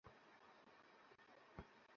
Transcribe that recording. একটা বালিশ দিন।